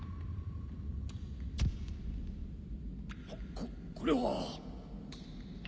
ここれは。